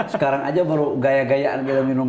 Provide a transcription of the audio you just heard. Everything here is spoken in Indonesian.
sekarang aja baru gaya gayaan kita minum